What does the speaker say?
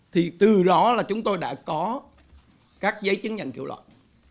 thì từ đó là chúng tôi đã có các giấy chứng nhận kiểu loại